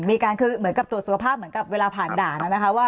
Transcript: มีการคือเหมือนกับตรวจสุขภาพเหมือนกับเวลาผ่านด่านนะคะว่า